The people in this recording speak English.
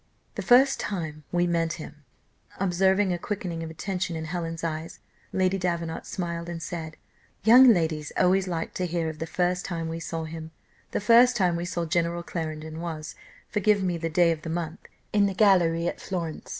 "The first time we met him," observing a quickening of attention in Helen's eyes, Lady Davenant smiled, and said, "Young ladies always like to hear of 'the first time we saw him.' The first time we saw General Clarendon was forgive me the day of the month in the gallery at Florence.